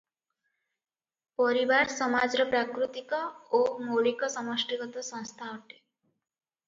ପରିବାର ସମାଜର ପ୍ରାକୃତିକ ଓ ମୌଳିକ ସମଷ୍ଟିଗତ ସଂସ୍ଥା ଅଟେ ।